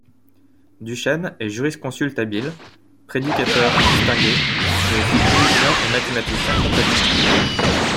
Duchaine est jurisconsulte habile, prédicateur distingué et aussi musicien et mathématicien compétent.